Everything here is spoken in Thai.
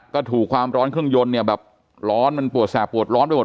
ก็ถูกความร้อนเครื่องยนต์เนี่ยแบบร้อนมันปวดแสบปวดร้อนไปหมด